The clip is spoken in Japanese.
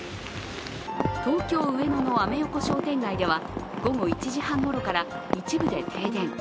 東京・上野のアメ横商店街では午後１時半ごろから一部で停電。